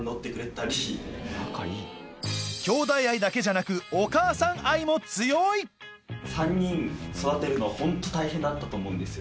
兄弟愛だけじゃなく・３人育てるのホント大変だったと思うんですよ・